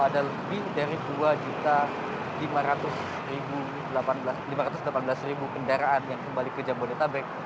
ada lebih dari dua lima ratus delapan belas kendaraan yang kembali ke jambonitabek